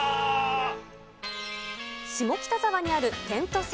下北沢にある点と線。